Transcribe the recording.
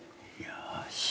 よし。